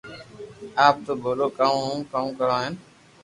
آپ تو ٻولو ڪاو ھون ڪرو ڪاوُ ھين